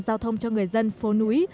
giao thông cho người dân phố núi